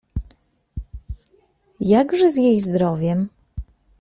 — Jakże z jej zdrowiem?